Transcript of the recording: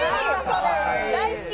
大好き！